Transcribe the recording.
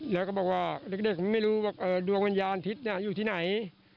แล้วก็บอกว่าเด็กไม่รู้ว่าดวงวิญญาณทิศอยู่ที่ไหน